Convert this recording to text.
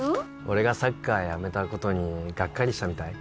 俺がサッカーやめたことにガッカリしたみたい？